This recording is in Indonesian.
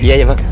iya ya bang